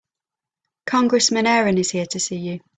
Congressman Aaron is here to see you.